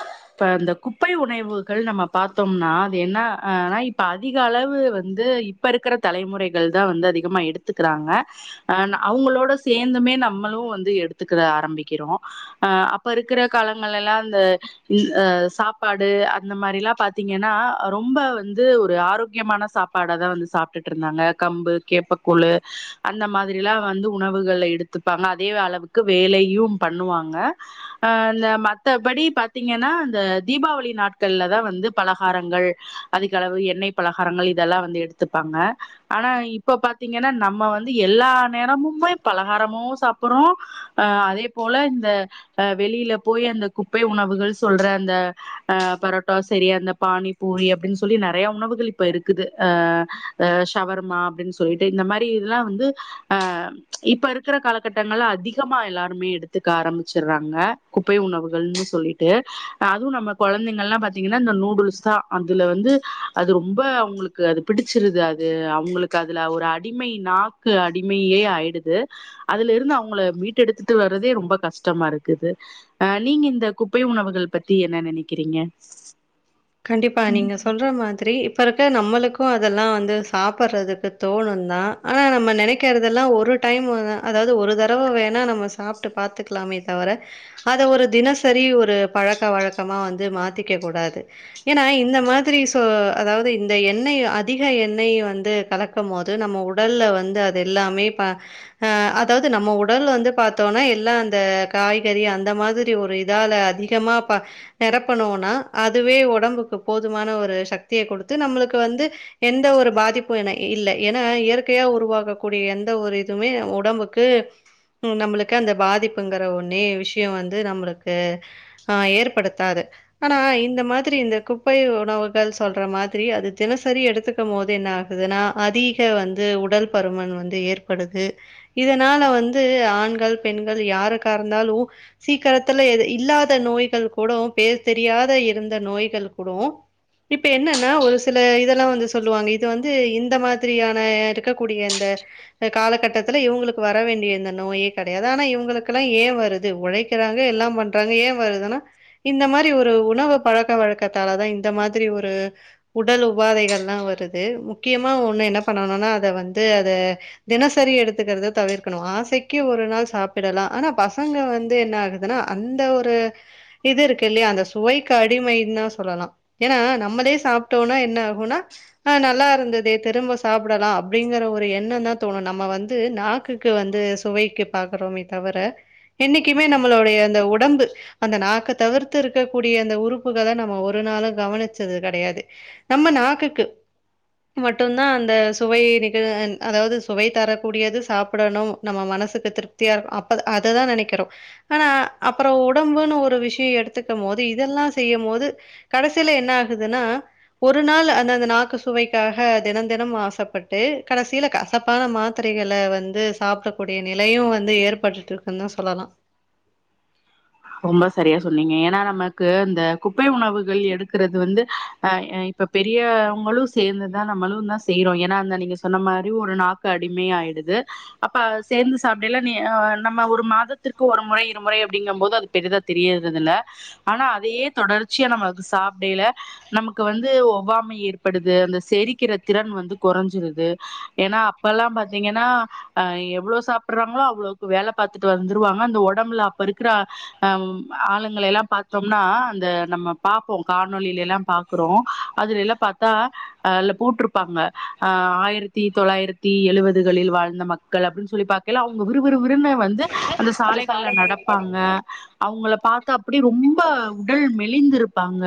ஆ இப்ப இந்த குப்பை உனைவுகள் நம்ம பாத்தோம்னா அது என்ன ஆனா இப்போ அதிக அளவு வந்து இப்ப இருக்கிற தலைமுறைகள் தா வந்து அதிகமா எடுத்துக்கிறாங்க அ அவுங்களோட சேர்ந்துமே நம்மளும் வந்து எடுத்துக்க ஆரம்பிக்கிறோம் அ அப்ப இருக்குற காலங்கள் எல்லா அந்த அ சாப்பாடு அந்த மாரில்லா பாத்தீங்கன்னா ரொம்ப வந்து ஒரு ஆரோக்கியமான சாப் பாடா தா வந்து சாப்ட்டுட்டு இருந்தாங்க கம்பு கேப்பக்கூழு அந்த மாதிரில்லா வந்து உணவுகள்ல எடுத்துப்பாங்க அதே அளவுக்கு வேலையும் பண்ணுவாங்க அ இந்த மத்தபடி ப பாத்தீங்கன்னா இந்த தீபாவளி நாட்கள்ல தா வந்து பலகாரங்கள் அதிக அளவு எண்ணெய் பலகாரங்கள் இதெல்லா வந்து எடுத்துப்பாங்க ஆனா இப்ப பாத்தீங்கன்னா நம்ம வந்து எல்லா நேரமுமே பலகாரமோ சாப்டுறோம் அ அதே போல இந்த அ வெளியில போய் அந்த குப்பை உணவுகள் சொல்ற அந்த அ பரோட்டா சரி அந்த பானி பூரி அப்டின்னு சொல்லி நிறைய உணவுகள் இப்ப இருக்குது அ ஷவர்மா அப்படின் சொல்லிட்டு இந்த மாதிரி இதெல்லா வந்து ஆ இப்ப இருக்குற காலகட்டங்கள்ல அதிக கமா எல்லாருமே எடுத்துக்க ஆரம்பிச்சுடுறாங்க குப்பை உணவுகள்னு சொல்லி அதுவும் நம்ம குழந்தைங்க எல்லா பாத்தீங்கன்னா இந்த நூடுல்ஸ் தா அதுல வந்து அது ரொம்ப அவுங்களுக்கு க்கு அது பிடிச்சிருது அது அவுங்களுக்கு அதுல ஒரு அடிமை நாக்கு அடிமையே ஆயிடுது அதுல இருந்து அவுங்கள மீட்டு எடுத்துட்டு வர்றதே ரொம்ப கஷ்டமா இருக்குது அ நீங்க இந்த கு உணவுகள் பத்தி என்ன நினைக்கிறீங்க கண்டிப்பா நீங்க சொல்ற மாதிரி இப்ப இருக்க நம்மளுக்கும் அதெல்லா வந்து சாப்பிட்றதுக்கு தோணும் தா ஆனா நம்ம நினைக்கிறதெல்லா ஒரு டைம் அதாவது ஒரு தடவ வேணா நம்ம சாப்ட்டு பாத்துக்கலாமே தவிர அத ஒரு தினசரி ஒரு பழக்க வழக்கமா வந்து மாத்திக்க கூடாது ஏன்னா இந்த மாதிரி சோ அதாவது இந்த எண்ணெய் அதிக எண்ணெய் வந்து கலக் கும் போது நம்ம உடல்ல வந்து அது எல்லாமே அ அதாவது நம்ம உடல் வந்து பாத்தோம்னா எல்லா அந்த காய்கறி அந்த மாதிரி ஒரு இதால அதிக கமா நிரப்பனும்னா அதுவே உட உடம்புக்கு போதுமான ஒரு சக்திய குடுத்து நம்மளுக்கு வந்து எந்த ஒரு பாதிப்பும் என இல்ல ஏன்னா இயற்கையா உருவாகக்கூடிய எந்த ஒரு இதுமே உடம்புக்கு நம்மளுக்கு அந்த பாதிப்புங்கற ஒன்னே விஷயம் வந்து நம்மளுக்கு ஆ ஏற்படுத்தாது ஆனா இந்த மாரி திரி இந்த குப்பை உணவுகள் சொல்ற மாதிரி அது தினசரி எடுத்துக்கும் போது என்ன ஆகுதுனா அதிக வந்து உடல் பருமன் வந்து ஏற்படுது இதனால வந்து ஆண்கள் பெண்கள் யாருக்கா இருந்தாலு சீக்கிரத்துல எது இல்லாத நோய்கள் கூடோ பேர் தெரியாத இருந்த நோய்கள் கூடோ இப்ப என்னன்னா ஒரு சில இதெல்லா வந்து சொல்லுவாங்க இது வந்து இந்த மாதிரியான இருக்கக்கூடிய இந்த இந்த காலகட்டத்துல இவங்களுக்கு வர வேண்டிய இந்த நோயே கெடையாது ஆனா இவங்களுக்குல்லா ஏ வருது உழை சிலவங்க எல்லா பண்றாங்க ஏ வருதுன்னா இந்த மாரி ஒரு உணவு பழக்க வழக்கத்தாலதா இந்த மாதிரி ஒரு உடல் உபாதைகள்லா வருது முக்கியமா ஒண்ணு என்ன பண்ணனும்னா அத வந்து அத தினசரி எடுத்துக்கிறத தவிர்க்கணு ஆசைக்கு ஒரு நாள் சாப்பிடலா ஆனா பசங்க வந்து என்ன ஆகு ஏனா அந்த ஒரு இது இருக்கு இல்லையா அந்த சுவைக் க்கு அடிமைந்தா சொல்லலா ஏன்னா நம்மளே சாப்பிட்டோம்னா என்ன ஆகுனா ஆ நல்லா இருந்ததே திரும்ப சாப்பிடலா அப்டிங்கற ஒரு எண்ண தா தோணு நம்ம வந்து நா க்குக்கு வந்து சுவைக்கு பாக்குறோமே தவர என்னிக்குமே நம்மளுடைய அந்த ஒட் உடம்பு அந்த நாக்க தவிர்த்து இருக்க கூ டிய அந்த உறுப்புகள நம்ம ஒரு நாளு கவனிச்சது கெடையாது நம்ம நாக்குக்கு மட்டுந்தா அந்த சுவை நிகர அதாவது சுவை தரக்கூடியது சாப்டணும் நம்ம மனசுக்கு திருப்தியா இருக் அப்ப அத தா நெனைக்கிறோ ஆனா அப்றோ உடம்புன்னு ஒரு விஷயோ எடுத்துக்கு போது இதெல்லா செய்யு போது கடைசியில என்ன ஆகுதுன்னா ஒரு நாள் அந்த அந்த நாக்கு சுவைக்காக தினம் தினம் ஆசப்பட்டு கடைசியில காச தப்பான மாத்திரைகள வந்து சாப்படக்கூடிய நிலையு வந்து ஏற்பட்டுட்டு இருக்குனு சொல்லலா ரொம்ப செரியா சொன்னீங்க ஏன்னா நமக்கு இந்த குப்பை உணவுகள் எடுக்குறது வந்து ஆ ஏய் இப்ப பெரியவங்களு சேந்து தா நம்மளு தா செய்றோ ஏனா அந்த நீங்க சொன்ன மாதிரி ஒரு நாக்கு அடிமை ஆயிடுது அப்ப சேந்து சாப்டைல நீ் நம்ம ஒரு மாதத்திற்கு ஒரு முறை இருமுறை அப்டிங்கு போது அது பெரிதா தெரியிறது இல்ல ஆனா அதையே தொடர்ச்சியா நமக்கு சாப்டேயில நமக்கு வந்து ஒவ்வாமை ஏற்படுது அந்த செரிக்கிற திறன் வந்து கொறஞ்சிருது ஏனா அப்பல்லா பாத்தீங்கன்னா அ எவ்ளோ சாப்பிடுறாங்களோ அவ்ளோக்கு வேல பாத்துட்டு வந்துருவாங்க அந்த உடம்புல அப்ப இருக்குற அம் ஆளுங்கை எல்லா பாத்தோம்னா அந்த நம்ம பாப்போ காணொளியிலேலா எல்லா பாப் ப்றோ அதுல எல்லா பாத்தா அ அதுல போட்டுருப்பாங்க ஆயிரத்தி தொள்ளாயிரத் தி எழுவதுகளில் வாழ்ந்த மக்கள் அப்டின்னு சொல்லி பாக்கைல அவுங்க விறு விறு விறுனு வந்து அந்த அது சாலைகள்ல நடக்கும். நடப்பாங்க அவுங்கள பாத்தா அப்டியே ரொம்ப உடல் மெலிந்துருப்பாங்க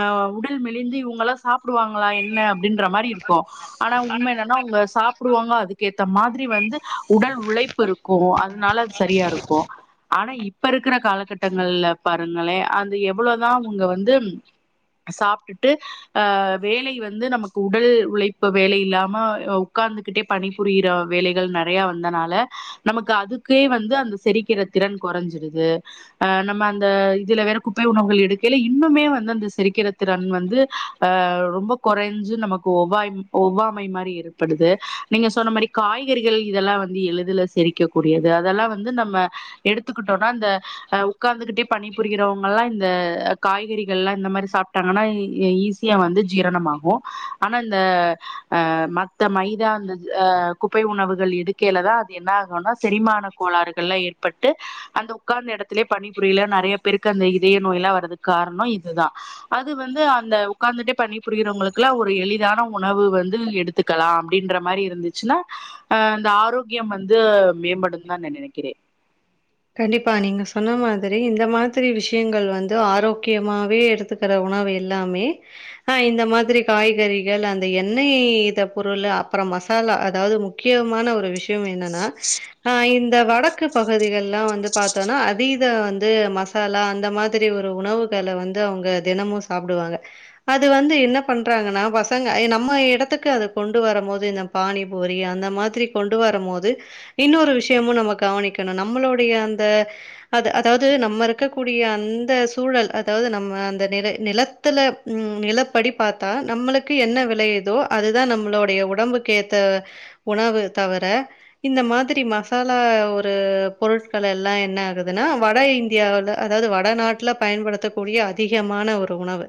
அ உடல் மெலிந்து இவுங்களா சாப்டுவாங்களா என்ன அப்டின்ற மாரி இருக்கு ஆனா உண்ம என்னனா அவுங்க சாப்டுவாங்க அதுக்கேத்த மாதிரி வந்து உடல் உழைப்பு இருக்கு கு அதுனால அது செரியா இருக்கு ஆனா இப் இருக்குற காலக் கட்டங்கள்ல பாருங்களே அது எவ்ளோ தா அவுங்க வந்து சாப்டுட்டு அ வேலை வந்து நமக்கு உடல் உழைப்பு வேலை இல்லாம உக்காந்துகிட்டே பணிபுரியிற வேலைகள் நெறையா வந்தனால நமக்கு அதுக்கே வந்து அந்த செரிக்கிற திறன் கொறஞ்சிருது அ நம்ம அந்த இதுல வேற குப்பை உணவுகள் எடுக்கைல இன்னுமே வந்து அந்த செரிக்குற திறன் வந்து அ ரொம்ப கொறஞ்சு நமக்கு ஒவ்வாய் ஒவ்வாமை மாரி ஏற்படுது நீங்க சொன்ன மாரி காய்கறிகள் இதெல்லா வந்து எளிதில செரிக்க கூடியது அதெல்லா வந்து நம்ம எடுத்துக்கிட்டோனா இந்த அ உக்காந்துகிட்டே பணிபுரிகிறவங்க எல்லா இந்த காய்கறிகலா இந்த மாரி சாப்ட்டாங்கன்னா ஈ ஈ ஈஸ் வந்து ஜீரணமாகு ஆனா இந்த அ மத்த மைதா அந்த அ குப்பை உணவுகள் எடுக்கையில தா அது என்ன ஆகுனா செரிமான கோளாறுகல்லா ஏற்பட்டு அந்த உக்காந்த இடத்துலே பணிபுரியல நறையா பேருக்கு அந்த இதய நோயெல்லா வரதுக்கு காரண இதுதா அது வந்து அந்த உக்காந்துட்டே பணி புரியிறவங்களுக்குலா ஒரு எளிதான உணவு வந்து எடுத் த்துக்கலா அப்டின்ற மாரி இருந்துச்சுன்னா அ அந்த ஆரோக்கியம் வந்து மேம்படுந்தா நா நனைக்கிறே கண்டிப்பா நீங்க சொன்ன மாதிரி இந்த மாதிரி விஷயங்கள் வந்து ஆரோக்கியமாவே எடுத்து க்குற உணவு எல்லாமே அ இந்த மாதிரி காய்கறிகள் அந்த எண்ணெய் இத்த பொருளு அப்றோ மசாலா அதாவது முக் கியமான ஒரு விஷயோ என்னன்னா இந்த வடக்கு பகுதிகள் ல்லா வந்து பாத்தோனா அதீத வந்து மசாலா அந்த மாதிரி ஒரு உணவுகள வந்து அவுங்க தினமு சாப்டுவாங்க அது வந்து என்ன பண்றாங்கனா பசங்க நம்ம இடத்துக்கு அது கொண்டு வரும்போது பாணி பூரி அந்த மாதிரி கொண்டு வரும் போது இன்னொரு விஷயமு நம்ம கவனிக்கணு நம்மளோ டய அந்த அது அதாவது நம்ம இருக்கக்கூடிய அந்த சூழல் அதாவது நம்ம அந்த நிரை நில த்துல நிலப்படி பாத்தா நம்மளுக்கு என்ன விலையுதோ அதுதா நம்மளுடைய உடம்புக்கேத்த உணவு தவர இந்த மாதிரி மசாலா ஒரு பொருட்கள் எல்லா என்ன ஆகுதுன்னா வட இந்தியாவில அதாவது வட நாட்ல பயன்படுத்த கூடிய அதிகமான ஒரு உணவு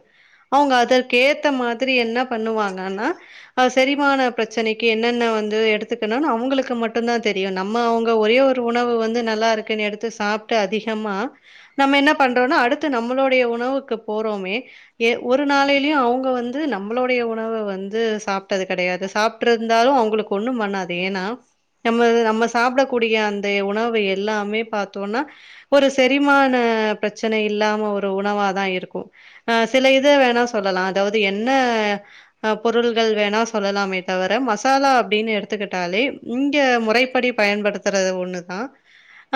அவங்க அதற்கேத்த மாதிரி என்ன பண்ணுவாங்கன்னா அ செரிமான பிரச்சனைக்கு என்னென்ன வந்து எடுத்துக்கணுனு அவுங்களுக்கு மட்டுந்தா தெரியு நம்ம அவங்க ஒரே ஒரு உணவு வந்து நல்லா இருக்குன்னு எடுத்து சாப்ட்டு அதிகமா நம்ம என்ன பண்றோனா அடுத்து நம்மளுடைய உணவுக்கு போறோமே ஏ ஒரு நாளையிலயு அவுங்க வந்து நம்மளுடைய உணவ வந்து சாப்ட்டது கெடையாது சாப் ட்ருந்தாலு அவுங்களுக்கு ஒண்ணும் பண்ணாது ஏனா நம்ம நம்ம சாப்பிடக்கூடிய அந்த உணவு எ எல்லாமே பாத்தோன்னா ஒரு செரிமான பிரச்சனை இல்லாம ஒரு உணவாதா இருக்கு ஆ சில இதை வேணா சொல்லலா அதாவது ஆ என்ன அ பொருள்கள் வேணா சொல்லலாமே தவிர மசாலா அப்டின்னு எடுத்துக்கிட்டாலே இங்க முறைப்படி பயன்படுத்துற ஒண்ணுதா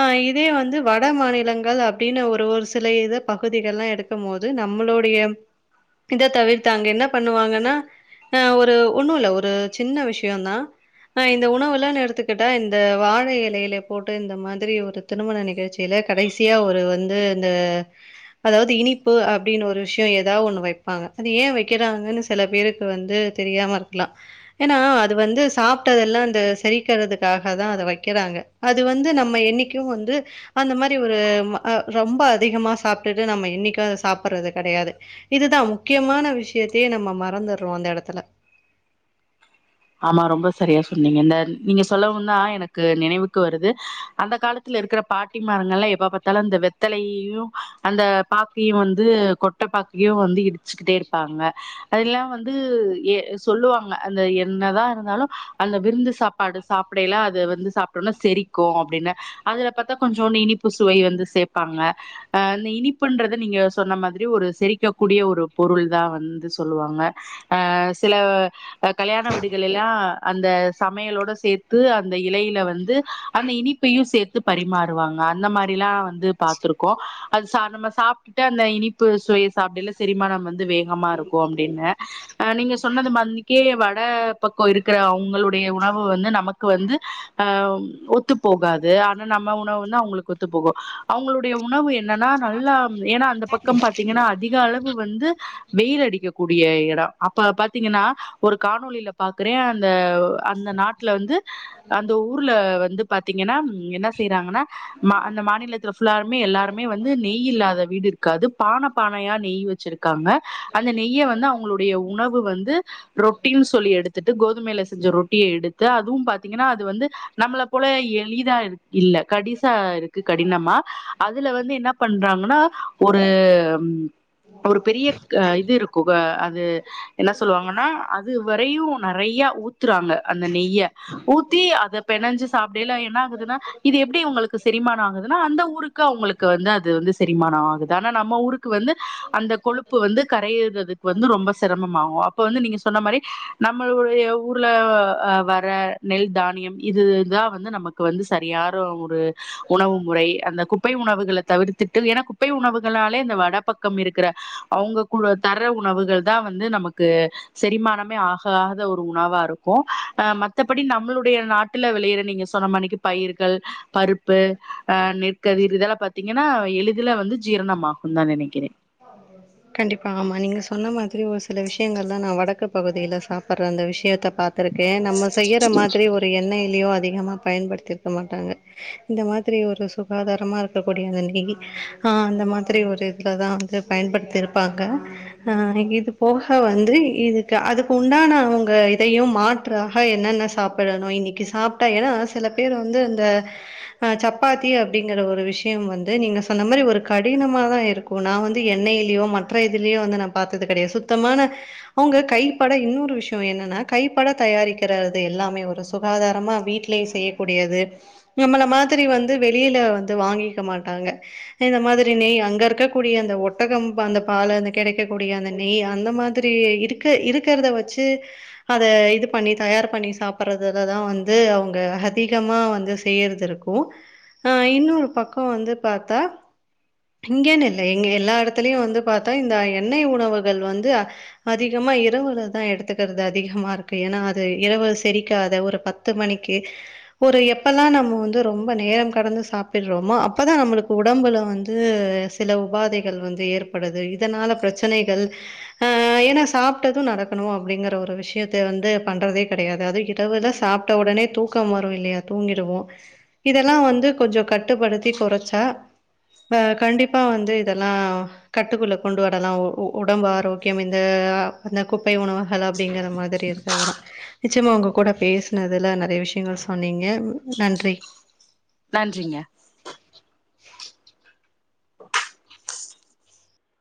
அ இதே வந்து வட மாநிலங்கள் அப்டின்னு ஒரு ஒரு சில இது பகுதிகள்லா எடு கம்போது நம்மளுடைய இத தவிர்த்தாங்க என்ன பண்ணுவாங்கன்னா ஆ ஒரு ஒண்ணு இல்ல ஒரு சின்ன விஷயந்தா ஆ இந்த உணவுல்லா எடுத்துக்கிட்டா இந்த வாழை இலையில போட் டு இந்த மாதிரி ஒரு திருமண நிகழ்ச்சியில கடைசியா ஒரு வந்து இந்த அதாவது இனிப்பு அப்டின்னு ஒரு விஷயோ எதாவது ஒன்னு வைப்பாங்க அது ஏன் வைக்கிறாங்கன்னு சில பேருக்கு வந்து தெரியாம இருக்கலா ஏன்னா அது வந்து சாப்ட்டதெல்லா இந்த செரிக்கறதுக்காக தா அதை வைக்கிறாங்க அது வந்து நம்ம என்னைக்கு வந்து அந்த மாரி ஒரு அ ரொம்ப அதிகமா சாப்ட்டுட்டு நம்ம இன்னைக்கு அத சாப்பிட்றது கெடையாது இதுதா முக்கியமான விஷயத்தையே நம்ம மறந்துறோ அந்த எடத்துல ஆமா ரொம்ப சரியா சொன்னீங்க இந்த நீங்க சொல்லவுந்தா எனக்கு நினைவுக்கு வருது அந்த காலத்து த்ல இருக்கிற பாட்டிமார்ங்கள் எல்லா எப்ப பாத்தாலு அ வெத்தலையையு அந்த பாக்கையும் வந்து கொ ட்ட பாக்கையு வந்து இடிச்சுக்கிட்டே இருப்பாங்க அதல்லா வந்து ஏ சொல்லுவாங்க அந்த என்னதா இருந்தாலு அந்த விருந்து சாப்பாடு சாப்பிடையல்ல அது வந்து சாப்ட்டோம்னா செரிக்கும் அப்டின்னு அதுல பாத்தா கொஞ்சோனு இனிப்பு சுவை வந்து சேப்பாங்க ஆ இந்த இனிப்புன்றத நீங்க சொன்ன மாதிரி ஒரு செரிக்க கூடிய ஒரு பொருள் தா வந்து சொல்லுவாங்க ஆ சில அ கல்யாண வீ டுகள்ல்லலா அந்த சமையலோட சேத்து அந்த இலைல வந்து அந்த இனி ப்பயு சேத்து பரிமாறுவாங்க அந்த மாரில்லா வந்து பாத்துருக்கோ அது சா நம்ம சா ப்டுட்டு அந்த இனிப்பு சுவய சாப்டைல செரிமானம் வந்து வே கமா இருக்கு அப்டின்னுஆ நீங்க சொன்னது மன்னிக்கே வட பக்கோ இருக்ற அவுங்களுடைய உணவு வந்து நமக்கு வந்து ஆ ஒத்து போகாது ஆனா நம்ம உணவு வந்து அவுங்களுக்கு ஒத்து போகு அவுங்களோ டய உணவு என்னன்னா நல்லா ஏன்னா அந்த பக்கம் பாத்தீங்கன்னா அ திக அளவு வந்து வெயில் அடிக்க கூடிய எடோ அப்ப பாத்தீங்கன்னா ஒரு காணொலில பாக்குறே அந்த அந்த நாட்ல வந்து அந்த ஊர்ல வந்து பாத்தீங்கன்னா என்ன செய்றாங்கன்னா மா அந்த மாநிலத்துல ஃபுல்லாருமே எல்லாருமே வந்து நெய் இல்லாத வீடு இருக்காது பான பானயா நெய் வச்சிரு க்காங்க அந்த நெய்ய வந்து அவுங்களுடைய உணவு வந்து ரொட்டின் சொல்லி எடு த்துட்டு கோதுமைல செஞ்ச ரொட்டிய எடுத்து அதுவு பாத்தீங்கன்னா அது வந்து நம்மள போல எளிதா இல்ல கடிசா இருக்கு கடினமா அதுல வந்து என்ன பண்றாங்கன்னா ஒரு ஒரு பெரிய க இது இருக்கு க அது என்ன சொல்லுவாங்ன்னா அது வரையு நறையா ஊத்துறாங்க அந்த நெய்ய ஊத்தி அத பெனஞ்சு சாப்டைல என்ன ஆகுதுன்னா இது எப்டி இவுங்களுக்கு செரிமானோ ஆகுதுன்னா அந்த ஊரு க்கு அவுங்களுக்கு வந்து அது வந்து செரிமானோ ஆகுது ஆனா நம்ம ஊருக்கு வந்து அந்த கொழுப்பு வந்து கரைறது ப்ப வந்து ரொம்ப செரமம் ஆவு அப்ப வந்து நீங்க சொன்ன மாரி நம்மளுடைய ஊர்ல வர நெல் தானியம் இதுதா வந்து நம க்கு வந்து சரியாரு ஒரு உணவு முறை அந்த குப்பை உணவுகள தவிர்த்துட்டு ஏனா குப்பை உணவுகளாலே இந்த வட பக் கம் இருக்ற அவுங்க கு தர உணவுகள் தா வந்து நமக்கு செரிமானமே ஆ காத ஒரு உணவாருக்கு ஆ மத்தபடி நம்மளுடைய நாட்ல வெளைற நீங்க சொன்ன மானிக்கி பயிர்கள் பருப்பு ஆ நெற்கதிர் இதெல்லா பாத்தீங்கன்னா எளிதுல வந்து ஜீரணமா குதா நெனைக்கிறே கண்டிப்பா ஆமா நீங்க சொன்ன மாத்ரி ஒரு சில விஷ்யங்கள்லா நா வடக்கு பகுதில சாப்புற அந்த விஷ்யத்த பாத்துருக்கே நம்ம செய்யற மாத்ரி ஒரு எண்ணெய்லியோ அதிகமா பயன்படுத்திருக்க மாட்டாங்க இந்த மாத்ரி ஒரு சுகாதாரமா இருக்கக்கூடிய அந்த நெய் ஆ அந்த மாத்ரி ஒரு இதுலதா வந்து பயன்படுத்திருப்பாங்க ஆ இது போக வந்து இதுக்கு அதுக்கு உண்டான அவங்க இதயு மா ற்றாக என்னென்ன சாப்பிடணு இன்னக்கி சாப்ட்டா ஏன்னா சில பேர் வந்து இந்த ஆ சப்பாத்தி அப்டிங்ற ஒரு விஷ்யம் வந்து நீங்க சொன்ன மாரி ஒரு கடினமா தா இருக்கு நா வந்து எண்ணெய் லியோ மற்ற இதுலியோ வந்து நா பாத்தது கெடயாது சுத்தமான அவுங்க கைப்பட இன்னொரு விஷ்யோ என்னன்னா கைப்பட தயாரிக்கறது எல்லாமே ஒரு சுகாதாரமா வீட்லயே செய்யக்கூடியது நம்மள மாதிரி வந்து வெளில வந்து வாங்கிக்க மாட்டாங்க இந்த மாதிரி நெய் அங்க இருக்க கூடிய அந்த ஒட்டகம் வந்த பால அந்த கெடைக்கக்கூடிய அந்த நெய் அந்த மாதிரி இருக்க இருக்றத வச்சு அத இது பண்ணி தயார் பண்ணி சாப்பறதுதததா வந்து அவுங்க ஹதிகமா வந்து செய்யறதுரு க்கு ஆ இன்னொரு பக்கோ வந்து பாத்தா இங்கென்னு இல்ல எங்க எல்லா எட லயும் வந்து பாத்தா இந்த எண்ணெய் உணவுகள் வந்து அதிகமா இரவுலதா எடுத்துக்கிறது அதிகமா இருக்கு ஏன்னா அது இரவு செரிக்காத ஒரு பத்து பத்து மணிக்கு ஒரு எப்பல்லா நம்ம வந்து ரொம்ப நேரம் கடந்து சாப்டுறோமோ அப்போ தா நம்மளுக்கு உடம்பில் வந்து சில உபாதைகள் வந்து ஏற்படுது இதனால பிரச்சனைகள் ஆ ஏன்னா சாப்ட்டது நடக்கணும் அப்டிங்கற ஒரு விஷயத்த வந்து பண்றதே கிடையாது அது இரவுல சாப்ப போட்ட உடனே தூக்கம் வரும் இல்லையா தூங்கிடுவோ இதெல்லா வந்து கொஞ்சோ கட்டுப்படுத்தி குறைச்சா கண்டிப்பா வந்து இதெல்லா கட்டுக்குள்ள கொண்டு வரலா உடம்பு ஆரோக்கியம் இந்த அந்த குப்பை உணவுகள் அப்டிங்கிற மாதிரி இருக்கதுல்லாம் நிச்சயமா உங்க கூட பேசுனதுல நெறைய விஷயங்கள் சொன்னீங்க நன்றி நன்றிங்க